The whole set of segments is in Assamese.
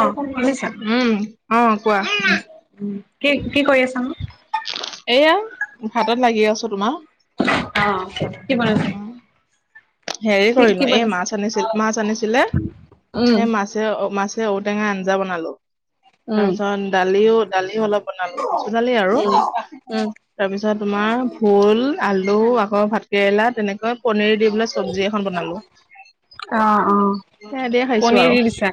অ' শুনিছা, উম অ কোৱা কি কি কৰি আছা নো? এয়া ভাতত লাগি আছো তোমাৰ। অ' কি বনালা? উম হেৰি কৰিলো এই মাছ আনিছিল, মাছ আনিছিলে, উম সেই মাছ ছে মাছে ঔটেঙা আঞ্জা বনালো, তাৰ উম পিছত দালিও দালিও অলপ বনালো। মচোৰ দালি আৰু, উম তাৰপিছত তোমাৰ ভুল আলু আকৌ ভাতকেৰেলা তেনেকৈ পনীৰ দি পেলাই চব্জি এখন বনালো, অ', অ'। সেয়া দিয়ু খাইছো পনীৰ আৰু। দি দিছা।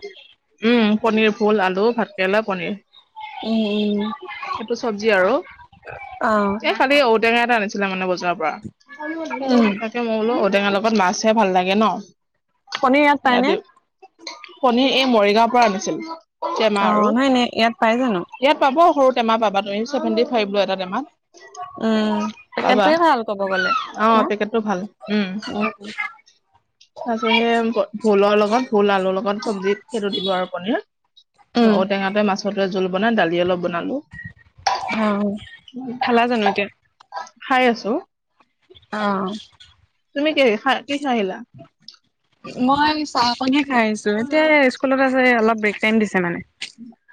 উম, পনিৰ ভুল আলু, ভাত কেৰেলা পনিৰ। উম সেইটো চবজি আৰু। উম কালি ঔটেঙা এটা আনিছিলে মানে বজাৰৰ পৰা, উম। তাকে মই বোলো ঔটেঙা ত মাছহে ভাল লাগে ন, পনীৰ ইয়াত পায়নে? সে পণীৰ এই মৰিগাঁৱৰ পৰা আনিছিল। টেমা আৰু অ' নাই নাই, ইয়াত পাই জানো? ইয়াত পাব, সৰু টেমা পাবা তুমি চেভেণ্টি ফাইভ লয় এটা টেমাত। উম, পাবা সেইটোৱেই ভাল ক'ব গ'লে, অ পেকেটটো ভাল উম হ উম। তাৰপিছত সেই ভোলৰ লগত, ভোল আলুৰ লগত চব্জিত সেইটো দিলো আৰু পনীৰ। ঔ টেঙাতে মাছতে জোল বনাই দালি অলপ বনালো। অ' [unintelligible] খালা জানো এতিয়া? খাই আছো। অ'। তুমি কি খা কি খাই আহিলা? মই চাহ পানি খাই আহিছো, এতিয়া স্কুলত আছে অলপ ব্ৰেক টাইম দিছে মানে।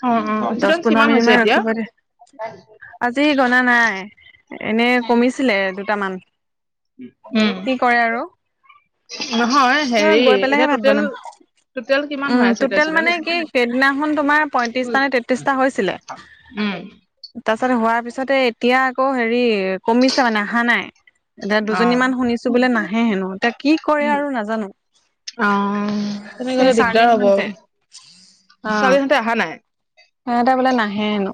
অ অ দচ চিতন কিমান পোন্ধৰ হৈছে মিনিটমান এতিয়া ৰখিব দিছে। আজি গনা নাই, এনে কমিছে ছিলে দুটামান, উম কি কৰে আৰু। নহয় হেৰি গৈ পেলাইহে এতিয়া ভাত টোটেল বনাম। টোটেল কিমান উম, হৈ আছে এতিয়া টোটেল মানে ষ্টুডেণ্ট? কি সেইদিনাখন তোমাৰ পঁয়ত্ৰিশটা নে উম। তাৰিপাছত হোৱাৰ পিছতে এতিয়া আকৌ হেৰি কমিছে মানে অহা নাই। এতিয়া অ দুজনী মমান শুনিছো বোলে নাহে হেনো, এতিয়া কি কৰে আৰু নাজ অ তেনে এই গ'লে দিগদাৰ চাৰ্লিনহঁত হ'ব যে ছোৱালীহতে অহা নাই। সেহতে বোলে নাহে হেনো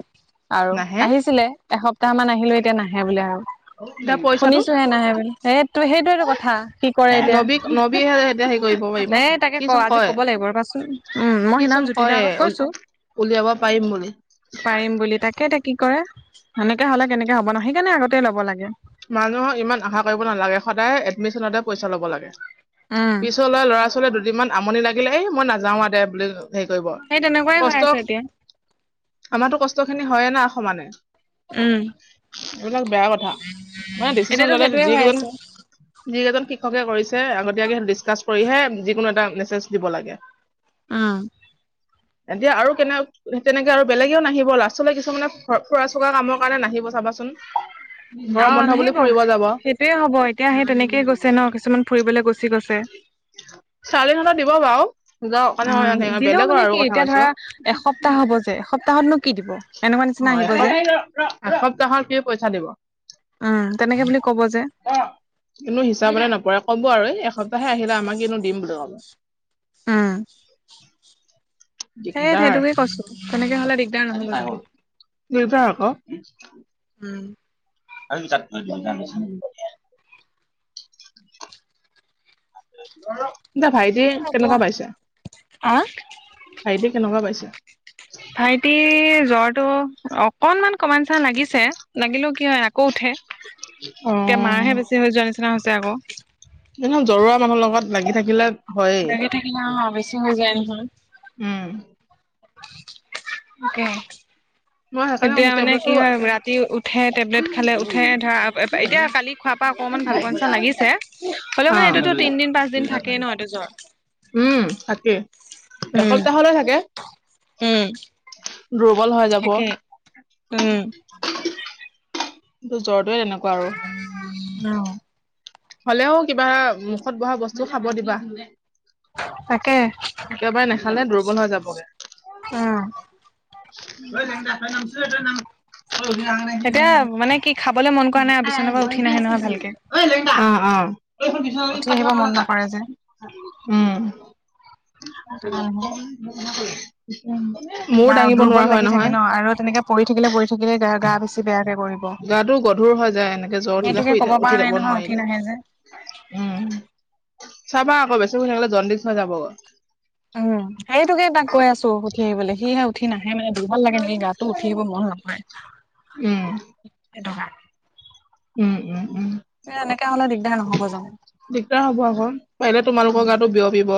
আৰু নাহে আহিছিলে এসপ্তাহ মান আহিলো এতিয়া নাহে বোলে আৰু। এতিয়া পইচাটো শুনিছো হে নাহে বুলি এ টো সেই সেইটোৱেটো কথা কি কৰে এতিয়া। নবী নবীহে এতিয়া হেৰি কৰিব পাৰিব এ তাকে ক সিচোন আজি কয় কব লাগিব ৰপাচোন, উম মই সিনাাম সিচোন জ্যোতি দ কয়ে আগত কৈছো, উলিয়াব পাৰিম বুলি। পাৰিম বুলি তাকে এতিয়া কি কৰে। সেনেকে হ'লে কেনেকে হ'ব নয় সেইকাৰণে আগতে ল'ব লাগে। মানুহৰ ইমান আশা কৰিব নালাগে, সদায় এডমিচনতে পইচা ল'ব লাগে। উম পিছ ল'ৰা-ছোৱালী দুদিনমান আমনি লাগিলে এই মই নাযাও আও দে বুলি হেৰি কৰিব। সেই তেনেকুৱাই হৈ কষ্ট আছে এতিয়া আমাৰো কষ্ট খিনি হয়ে না সমানে উম এইবিলাক বেয়া কথা। নাই ডিচিশন এতিয়াতো ল'লে যি সেইটোয়ে হৈ যিকেইজন আছে শিক্ষকে কৰিছে আগতীয়াকে ডিচকাচ কৰিহে যিকোনো এটা মেছেজ দিব লাগে। উম এতিয়া আৰু কেনে তেনেকে আৰু বেলেগেও নাহিব, লাষ্টলৈ কিছুমানে ফুৰা চকা কামৰ কাৰণে নাহিব চাবাচোন। অ গৰম বন্ধ বুলি নাহিব, ফুৰিব যাব সেইটোয়ে হ'ব এতিয়া সেই তেনেকেই গৈছে ন কিছুমান ফুৰিবলৈ গুচি গৈছে ছোৱালীহঁতৰ দিব বাৰু, উম [unintelligible] দিলেও মানে বেলেগৰ কি আৰু কথা এতিয়া ধৰা কৈছো। এসপ্তাহ হ'ব যে, এসপ্তাহতনো কি দিব? এনেকুৱা অ নিচিনা আহিব এসপ যে। এসপ্তাহৰ কি পইচা দিব? উম তেনেকে বুলি ক'ব যে। কিন্তু হিচাপ নপৰে ক'ব আৰু এসপ্তাহে আহিলে আমাক কিনো দিম বুলি ক'ব। উম সেই দিগদাৰ সেইটোকে কৈছো তেনেকে হ'লে দি [unintelligible] আকৌ উম। আৰু [unintelligible] দে ভাইটি এতিয়া কেনেকুৱা পাইছে? আহ ভাইট কেনেকুৱা পাইছে? ভাইটি জ্বৰটো অকণমান কমা নিচিনা লাগিছে। লাগিলেও কি হয় আকৌ উঠে, অ এতিয়া মাৰহে বেছি হৈ যোৱা নিচিনা হৈছে আকৌ। এনেও জ্বৰুৱৰা মানুহৰ লগত লাগি থাকিলে হয়েই লাগে থাকিলো অ বেছি হৈ যায় নহয়। উম। [unintelligible] মই সেইকাৰণে এতিয়া কৈছো মানে কি টেবলেটটো হয় ৰাতি উঠে, টেবলেট খালে উঠে, ধৰা এতিয়া কালি খোৱাৰ পৰা অকমান ভাল পচা লাগিছে। হ'লেও মানে এইটো অ', তিনদিন পাঁচদিন থাকেই ন এইটো জ্বৰ। উম থাকে। উম এসপ্তাহ'লে থাকে। উম দুৰ্বল হৈ যাব। থাকেই উম। [unintelligible] তোৰ জ্বৰ টোৱে এনেকুৱা আৰু। অ হ'লেও কিবা মুখত বহা বস্তু খাব দিবা। তাকে একেবাৰে নাখালে দুৰ্বল হৈ যাবগে। উম' য দ নামছ নাম অ ন কি এতিয়া [unintelligible] মানে কি খাবলে মন কৰা আৰু নাই বিচনাৰ পৰা গ উঠি দিয় নাহে নহয় কছ ভালকে লখন উঠি আহিব না মন নকৰে যে [unintelligible] উম সেইটো মূৰ কাৰণেহে দাঙিব নোৱাৰা তোমাৰ হয় দুৰ্বল লাগি থাকে ন নহয়। আৰু তেনেকে পৰি থাকিলে, পৰি থাকিলে গা গা বেছি বেয়া কৰিব। গাটো গধুৰ হৈ যায় এনেকে জ্বৰ দিলে সেইটোকে শুই ক'ব পৰা উঠি নাই যাব নহয় উঠি নোৱাৰিলে। নাহে যে উম' চাবা আকৌ বেছি শুই থাকিলে জন্দিছ হৈ যাব। উম' সেইটোকে তাক কৈ আছো উঠি আহিবলৈ সিহে উঠি নাহে মানে দুৰ্বল লাগে নেকি গাটো, উঠি আহিব মন নকৰে উম, সেইটো কাৰণে। উম' উম' উম'। এ এনেকে হ'লে দিগদাৰ নহ'ব জানোঁ। দিগদাৰ হ'ব আক, পাৰিলে তোমালোকৰ গাতো বিয়পিব।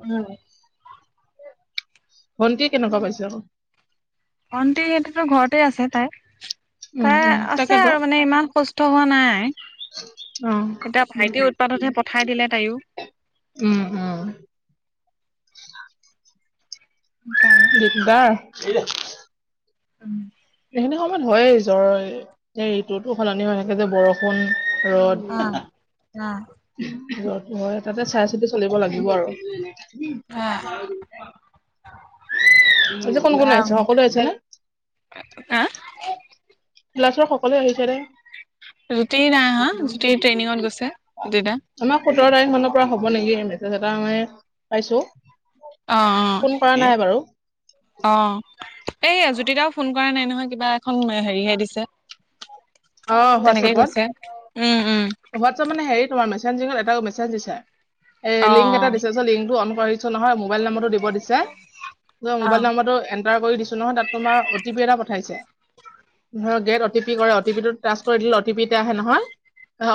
উম' ভণ্টি কেনেকুৱা পাইছে আকৌ? ভন্টি এতিয়াতো ঘৰতে আছে তাই। উম তাই উম আছে তাকেতো আৰু মানে ইমান সুষ্ট হোৱা নাই। অ এতিয়া ভাইটি উতপাতহে পঠাই দিলে তাইও। উম' উম'। [inaudible] সেই কাৰণে দা, এৰি দে উম' এইখিনি সময়ত হয়েই জ্বৰ, ঋতুতো সলনি হৈ থাকে যে বৰষুণ, ৰ'দ। অ' অ'। ৰ'দ হয়, তাতে চাই চিতি চলিব লাগিব আৰু। অ এতিয়া এই যে কোন কোন আহিছে? সকলো আহিছে নে? হা? ল'ৰা-ছোৱালী সকলোৱে আহিছে নে? জুতি নাই আহা, জুতি ট্ৰেইনিঙত গৈছে এতিয়া। আমাৰ সোতৰ তাৰিখ মানৰ পৰা হ'ব নেকি, মেছেজ এটা মানে পাইছোঁ। অ ফোন কৰা নাই বাৰু। অ' এইয়া জ্যোতিকা ও ফোন কৰা নাই নহয়, কিবা এখন হেৰিহে দিছে। অ তেনেকেই গৈছে, উম' উম'। এইটো মানে হেৰি তোমাৰ মেছেজিংত এটা মেছেজ দিছে, এ অ লিংক এটা দিছে। তাৰপাছত লিংক টো অন কৰি দিছোঁ নহয়, মোবাইল নম্বৰটো দিব দিছে, অ মোবাইল নম্বৰটো এণ্টাৰ কৰি দিছোঁ নহয় তাত। তোমাৰ অ' টি পি এটা পঠাইছে, ধৰক গেট অ' টি পি কৰে। অ টি পি টো টাষ্ট কৰি দিলে, অ টি পি এটা আহে নহয়,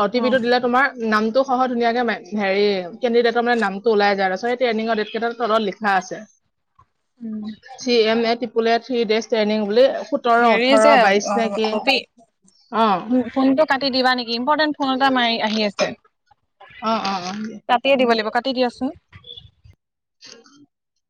অ টি পি টো দিলে তোমাৰ নামটো সহ ধুনীয়াকে হেৰি কেণ্ডিডেটৰ মানে নামটো ওলাই যায় আৰু তাৰপিছত এই ট্ৰেইনিঙৰ ডেট কেইটাৰ তলত লিখা আছে। [inaudible] উম C M A টিপুল three days training তেনে হলে। সোতৰ হেৰি ওঠৰ যে বাইশ অ তাৰিখে ববি অ ফোনটো কাটি দিবা নেকি ইম্পৰ্টেণ্ট ফোন এটা মাৰি আহি আছে। অ অ অ দিয়া কাটিয়ে দিব লাগিব কাটি দিয়াচোন। উ [unintelligible]